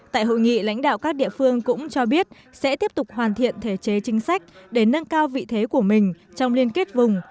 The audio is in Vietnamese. tại hội nghị lãnh đạo các địa phương cũng cho biết sẽ tiếp tục hoàn thiện thể chế chính sách để nâng cao vị thế của mình trong liên kết vùng